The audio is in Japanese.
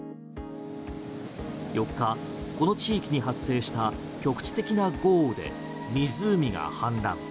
４日、この地域に発生した局地的な豪雨で湖が氾濫。